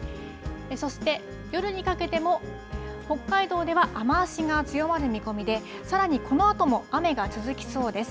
そして、夜にかけても、北海道では雨足が強まる見込みで、さらにこのあとも雨が続きそうです。